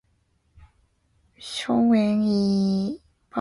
中文维基百科遭到防火长城封锁。